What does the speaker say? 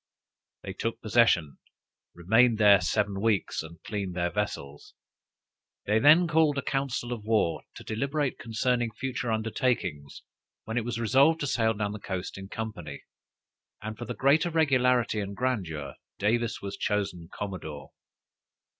They took possession, remained there seven weeks, and cleaned their vessels. They then called a council of war, to deliberate concerning future undertakings, when it was resolved to sail down the coast in company; and, for the greater regularity and grandeur, Davis was chosen Commodore.